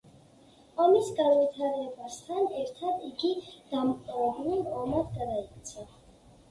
ომის განვითარებასთან ერთად, იგი დამპყრობლურ ომად გადაიქცა.